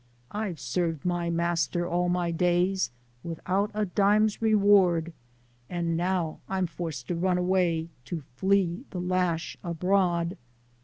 I've served my master all my day?, Widout a dime's reward ; And now I'm forced to run away, To floe the lash abroad.